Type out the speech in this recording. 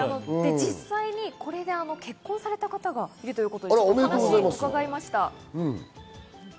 実際にこれで結婚された方がいるということでお話を伺いました。